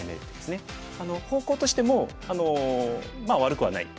方向としてもまあ悪くはない。